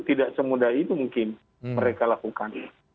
tidak semudah itu mungkin mereka lakukan